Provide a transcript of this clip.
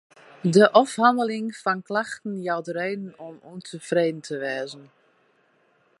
De ôfhanneling fan klachten jout reden om ûntefreden te wêzen.